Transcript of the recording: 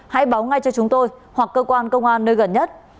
hãy báo ngay cho chúng tôi hoặc cơ quan công an nơi gần nhất